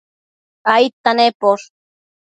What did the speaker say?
aidta nemposh?